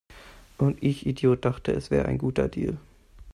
Und ich Idiot dachte, es wäre ein guter Deal!